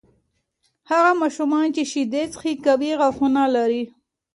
هغه ماشومان چې شیدې څښي، قوي غاښونه لري.